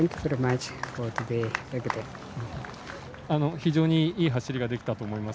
非常にいい走りができたと思います。